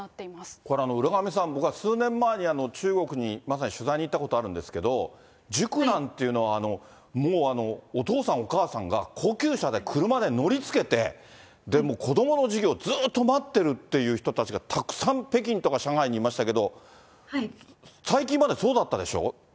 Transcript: これ、浦上さん、僕は数年前に中国にまさに取材に行ったことあるんですけど、塾なんていうのは、もうお父さん、お母さんが高級車で、車で乗りつけて、子どもの授業ずっと待ってるっていう人たちがたくさん北京とか上海にいましたけれども、最近までそうだったでしょ？